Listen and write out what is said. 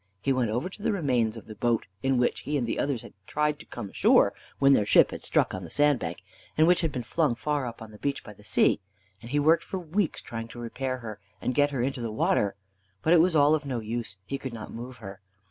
He went over to the remains of the boat in which he and the others had tried to come ashore when their ship struck on the sand bank, and which had been flung far up on the beach by the sea, and he worked for weeks trying to repair her and to get her into the water. But it was all of no use; he could not move her.